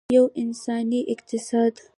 یو انساني اقتصاد.